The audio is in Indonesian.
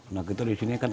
nah kita di sini kan